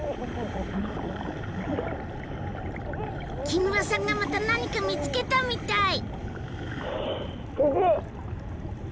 木村さんがまた何か見つけたみたい。